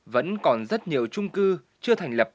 vẫn còn rất nhiều trung cư chưa thành lập